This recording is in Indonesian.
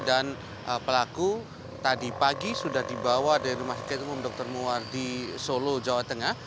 dan pelaku tadi pagi sudah dibawa dari rumah sakit umum dr muar di solo jawa tengah